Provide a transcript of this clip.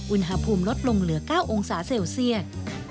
อุณหภูมิลดลงเหลือ๙องศาเซลเซียต